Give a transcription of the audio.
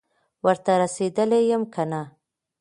ورته رسېدلی یم که نه،